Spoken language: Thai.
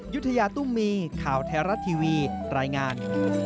ยุธยาตุ้มมีข่าวไทยรัฐทีวีรายงาน